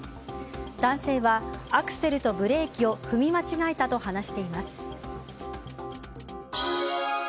男性はアクセルとブレーキを踏み間違えたと話しています。